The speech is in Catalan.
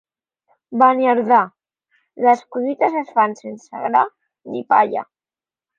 Beniardà: les collites es fan sense gra ni palla.